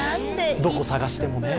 どこ探してもね。